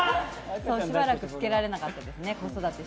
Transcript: しばらく着けられなかったですね。